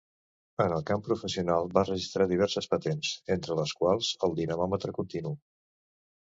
En el camp professional va registrar diverses patents, entre les quals el dinamòmetre continu.